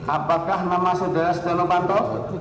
apakah nama saudara setiano fanto